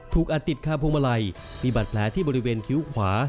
อาจติดคาพวงมาลัยมีบาดแผลที่บริเวณคิ้วขวา